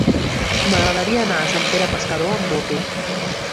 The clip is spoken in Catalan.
M'agradaria anar a Sant Pere Pescador amb moto.